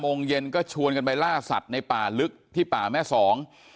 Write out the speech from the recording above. โมงเย็นก็ชวนกันไปล่าสัตว์ในป่าลึกที่ป่าแม่สอง